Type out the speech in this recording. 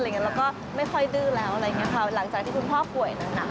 และก็ไม่ค่อยดื้อแล้วหลักจากที่พี่พ่อป่วยหนัก